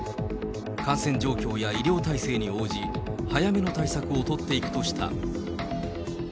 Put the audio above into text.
感染状況や医療体制に応じ、早めの対策を取っていくとした。